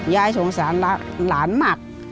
ยายสงสารหลานมาก